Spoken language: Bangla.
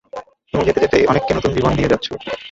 তুমি যেতে যেতে অনেককে নতুন জীবন দিয়ে যাচ্ছো।